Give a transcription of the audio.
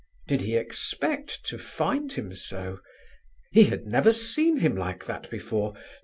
Did he expect to find him so? He had never seen him like that before.